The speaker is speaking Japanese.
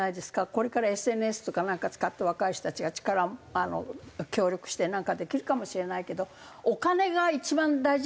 これからＳＮＳとかなんか使って若い人たちが力あの協力してなんかできるかもしれないけどお金が一番大事じゃないですか。